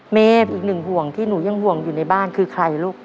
เมย์อีกหนึ่งห่วงที่หนูยังห่วงอยู่ในบ้านคือใครลูก